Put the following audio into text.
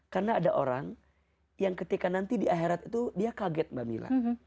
karena ada orang yang ketika nanti di akhirat itu dia kaget mbak mila